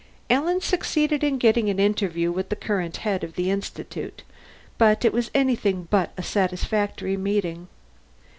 Alan succeeded in getting an interview with the current head of the Institute, but it was anything but a satisfactory meeting.